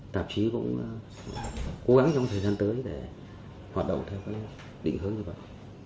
tạp chí cũng cố gắng trong thời gian tới để hoạt động theo định hướng như vậy